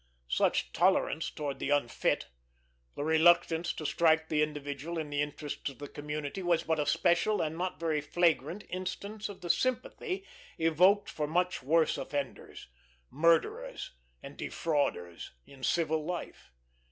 Such tolerance towards the unfit, the reluctance to strike the individual in the interests of the community, was but a special, and not very flagrant, instance of the sympathy evoked for much worse offenders murderers, and defrauders in civil life.